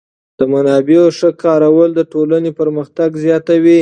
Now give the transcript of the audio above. د منابعو ښه کارول د ټولنې پرمختګ زیاتوي.